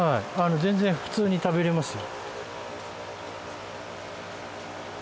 全然普通に食べられますよ。